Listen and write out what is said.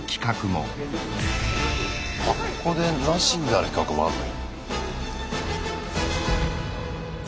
ここでなしになる企画もあんの？